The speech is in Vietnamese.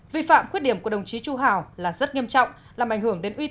vi phạm khuyết điểm của đồng chí chu hảo là rất nghiêm trọng